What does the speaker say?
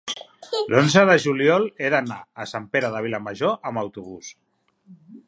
l'onze de juliol he d'anar a Sant Pere de Vilamajor amb autobús.